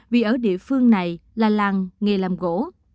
vì ở địa phương này là làng nghề làm gỗ